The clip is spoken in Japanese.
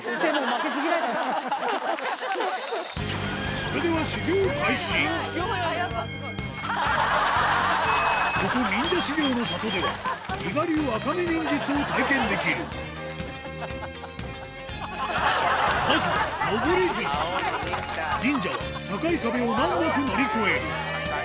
それではここ忍者修行の里では伊賀流赤目忍術を体験できるまずは忍者は高い壁を難なく乗り越える痛い痛い！